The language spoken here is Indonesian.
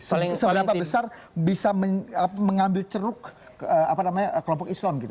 seberapa besar bisa mengambil ceruk kelompok islam gitu